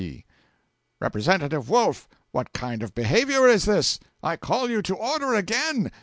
P. 'Representative Wolf, what kind of behaviour is this? I call you to order again.